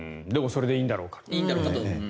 でもそれでいいんだろうかと。